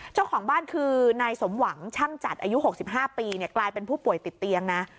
เจ้าของบ้านคือนายสมหวังช่างจัดอายุ๖๕ปีกลายเป็นผู้ป่วยติดเตียงนะ